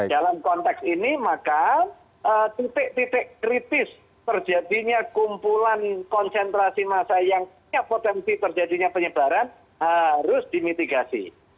dalam konteks ini maka titik titik kritis terjadinya kumpulan konsentrasi massa yang punya potensi terjadinya penyebaran harus dimitigasi